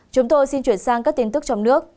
chúng tôi xin chuyển sang các tin tức trong nước